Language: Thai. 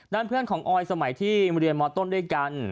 เพื่อนของออยสมัยที่เรียนมต้นด้วยกัน